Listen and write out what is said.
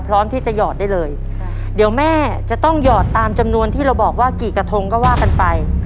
พร้อมที่จะหยอดได้เลยเดี๋ยวแม่จะต้องหยอดตามจำนวนที่เราบอกว่ากี่กระทงก็ว่ากันไป